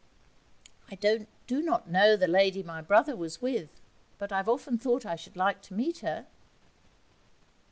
'I do not know the lady my brother was with, but I've often thought I should like to meet her.'